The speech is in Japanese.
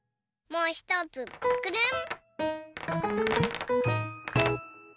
もうひとつくるん！